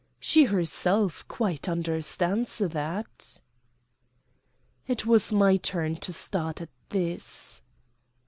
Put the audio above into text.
"She herself quite understands that." It was my turn to start at this.